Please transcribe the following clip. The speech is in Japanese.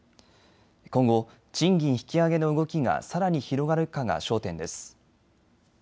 今後、賃金引き上げの動きがさらに広がるかが焦点です。